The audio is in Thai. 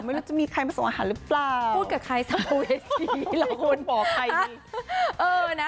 ไม่รู้จะมีใครมาส่งอาหารหรือเปล่าพูดกับใครสัมภเวษีเราควรบอกใครดี